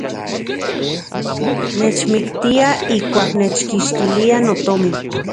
Nechmiktiaj ijkuak nechkixtiliaj notomin.